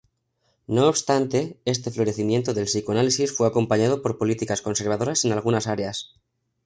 No obstante, este florecimiento del psicoanálisis fue acompañado por políticas conservadoras en algunas áreas.